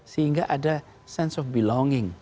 sehingga ada sense of belonging